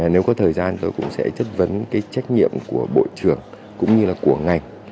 nếu có thời gian tôi cũng sẽ thức vấn cái trách nhiệm của bộ trưởng cũng như là của ngành